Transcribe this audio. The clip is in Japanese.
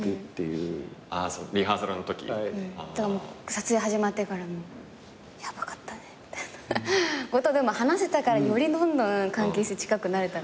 撮影始まってからも「ヤバかったね」みたいな。ってことでも話せたからよりどんどん関係性近くなれた。